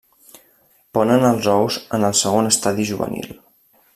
Ponen els ous en el segon estadi juvenil.